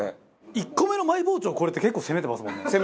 １個目のＭＹ包丁がこれって結構攻めてますもんね。